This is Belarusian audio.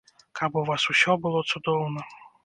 Каб у вас усё было цудоўна.